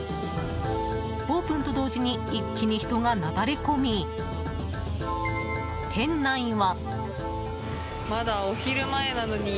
オープンと同時に一気に人がなだれ込み、店内は。